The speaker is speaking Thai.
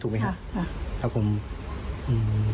ถูกไหมครับครับคุณครับครับคุณครับครับ